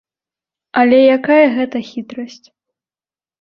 Але якая гэта хітрасць?